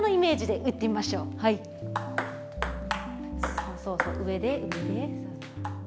そうそうそう上で上で。